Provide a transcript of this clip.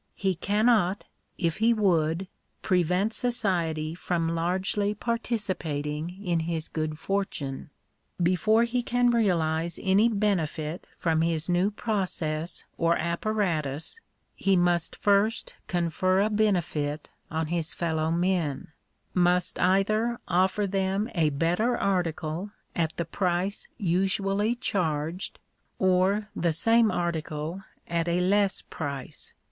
He cannot, if he would, prevent society from largely participating in his good fortune. Before he can realize any benefit from his new process or apparatus, he must first confer a benefit on his fellow men — must either offer them a better article at the price usually charged, or the same article at a less price.